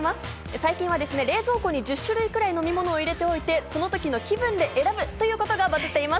最近は冷蔵庫に１０種類ぐらい飲み物を入れといて、その時の気分で選ぶということがバズっています。